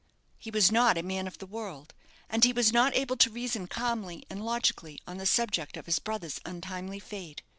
He was not a man of the world, and he was not able to reason calmly and logically on the subject of his brother's untimely fate.